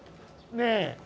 ねえ！